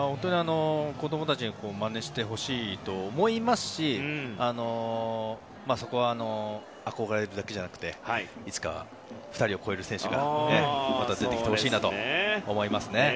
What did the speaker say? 子供たちにまねしてほしいと思いますしそこは、憧れるだけじゃなくていつか２人を超える選手が出てきてほしいなと思いますね。